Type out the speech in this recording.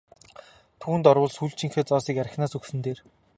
Түүнд орвол сүүлчийнхээ зоосыг архинаас өгсөн нь дээр!